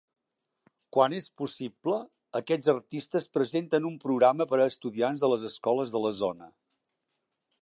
Quan és possible, aquests artistes presenten un programa per a estudiants de les escoles de la zona.